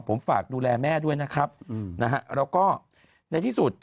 ผมฝากดูแลแม่ด้วยนะครับนะฮะแล้วก็ในที่สุด